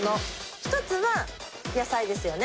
一つは野菜ですよね。